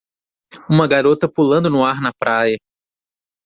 Uma garota pulando no ar na praia.